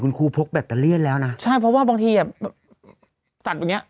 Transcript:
คุณครูพกแบตเตอร์เรียนแล้วนะใช่เพราะว่าบางทีอะแบบศัตริย์แบบเนี่ย